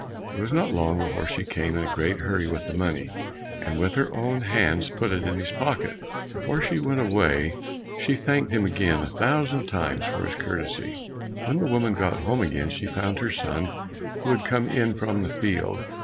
It was not long before she came in a great hurry with the money, and with her own hands put it in his pocket. Before she went away, she thanked him again a thousand times for his courtesy. When the woman got home again, she found her son who had come in from the field.